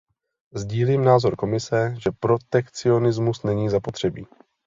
Sdílím názor Komise, že protekcionismus není zapotřebí.